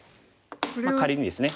仮にですね。